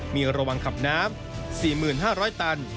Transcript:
มีระวังขับน้ำ๔๕๐๐ตัน